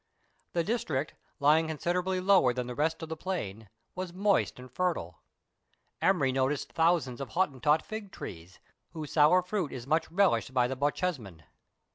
The district, lying consi derably lower than the rest of the plain, was moist and fer tile. Emery noticed thousands of Hottentot fig trees, whose sour fruit is much relished by the Bochjesmen.